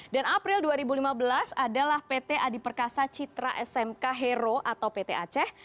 dan april dua ribu lima belas adalah pt adi perkasa citra smk hero atau pt aceh